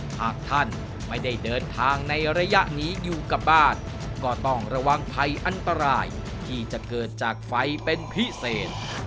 หากท่านไม่ได้เดินทางในระยะนี้อยู่กับบ้านก็ต้องระวังภัยอันตรายที่จะเกิดจากไฟเป็นพิเศษ